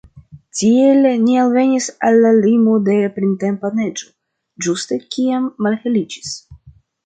Tiel ni alvenis al la limo de printempa neĝo, ĝuste kiam malheliĝis.